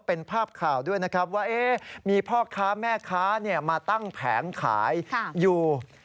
เป็นภาพข่าวด้วยนะครับว่ามีพ่อค้าแม่ค้ามาตั้งแผงขายอยู่